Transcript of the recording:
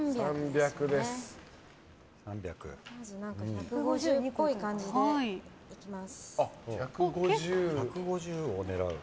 １５０っぽい感じでいきます。